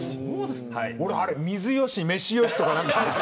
俺はあれ、何か水よし飯よしとか。